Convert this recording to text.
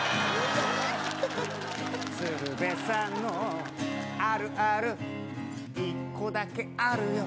鶴瓶さんのあるある１個だけあるよ